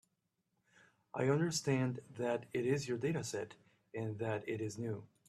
I understand that it is your dataset, and that it is new.